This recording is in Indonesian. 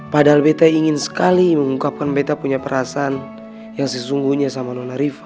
padahal beta ingin sekali mengungkapkan beta punya perasaan yang sesungguhnya sama nona rifa